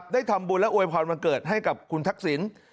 ได้ทำบุญและอวยพรวันเกิดให้กับคุณทักษิณ